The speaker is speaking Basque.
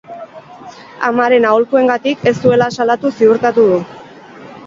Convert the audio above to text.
Amaren aholkuengatik ez zuela salatu ziurtatu du.